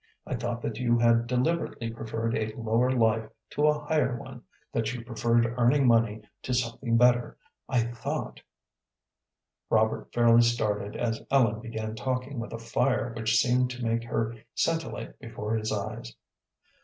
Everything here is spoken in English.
I thought that you had deliberately preferred a lower life to a higher one that you preferred earning money to something better. I thought " Robert fairly started as Ellen began talking with a fire which seemed to make her scintillate before his eyes.